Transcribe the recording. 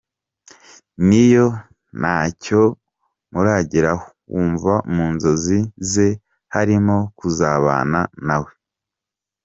Niyo ntacyo murageraho, wumva mu nzozi ze harimo kuzabana na we ubuzima bwe bwose.